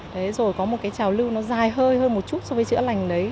thế rồi có một cái trào lưu nó dài hơi hơn một chút so với chữa lành đấy